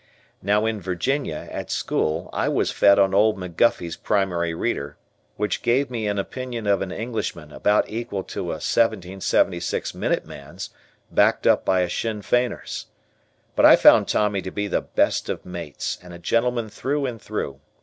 Now in Virginia, at school, I was fed on old McGuffy's primary reader, which gave me an opinion of an Englishman about equal to a '76 Minute Man's backed up by a Sinn Feiner's. But I found Tommy to be the best of mates and a gentleman through and through.